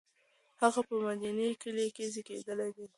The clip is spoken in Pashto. هغه په مندني کلي کې زېږېدلې ده.